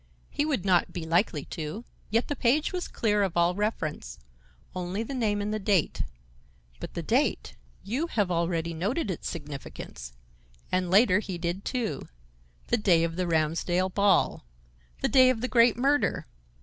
He would not be likely to, yet the page was clear of all reference; only the name and the date. But the date! You have already noted its significance, and later he did, too. The day of the Ramsdell ball! The day of the great murder!